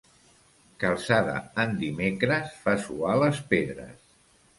Calçada en dimecres fa suar les pedres.